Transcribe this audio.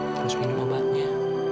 terus minum obatnya